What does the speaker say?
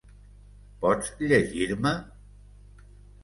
Pots llegir-me?